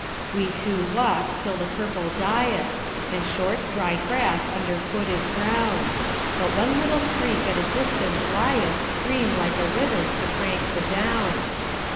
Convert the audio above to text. "We two walk till the purple dieth, And short, dry grass under foot is brown; But one little streak at a distance lieth Green like a ribbon to prank the down.